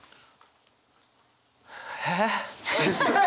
えっ。